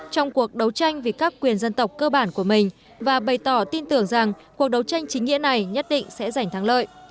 trong cuộc đấu tranh vì các quyền dân tộc cơ bản của mình và bày tỏ tin tưởng rằng cuộc đấu tranh chính nghĩa này nhất định sẽ giành thắng lợi